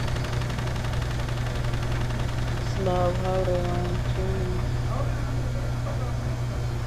چۆن بەم دەرەنجامە گەیشتیت؟